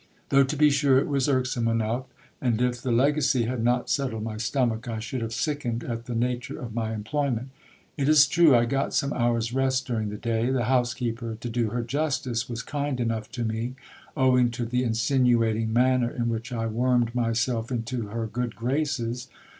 Though to be sure it was irksome enough ; and if the legacy had not settled my stomach, I should have sickened at the nature of my employment. It is true I got some hours' rest during the day. The housekeeper, to do her justice, was kind enough to me ; owing to the insinuating manner in which I wormed myself into her good graces.